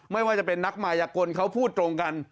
ไม่ว่าจะเป็นนักมายกลเขาพูดตรงกัน